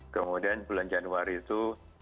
kemudian bulan januari itu